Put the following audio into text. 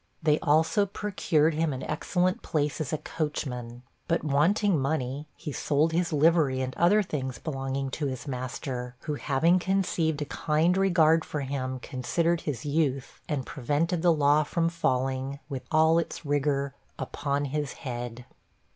They also procured him an excellent place as a coachman. But, wanting money, he sold his livery, and other things belonging to his master; who, having conceived a kind regard for him, considered his youth, and prevented the law from falling, with all its rigor, upon his head.